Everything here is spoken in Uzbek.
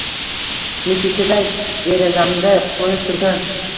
Musichaday derazamda qo’nib turgan